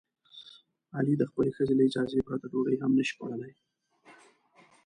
علي د خپلې ښځې له اجازې پرته ډوډۍ هم نشي خوړلی.